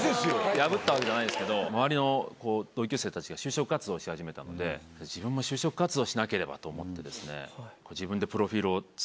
破ったわけじゃないですけど周りの同級生たちが就職活動し始めたので自分も就職活動しなければと思ってですね。